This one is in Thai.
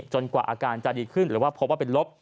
กว่าอาการจะดีขึ้นหรือว่าพบว่าเป็นลบ